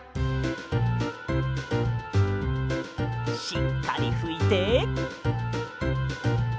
しっかりふいて。